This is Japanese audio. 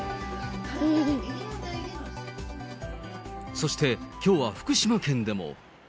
そして、きょうは福島県でも。